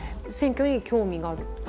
選挙に興味がある。